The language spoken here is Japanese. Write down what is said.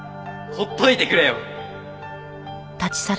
放っといてくれよ！